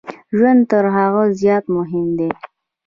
ژوند تر هغه زیات مهم دی.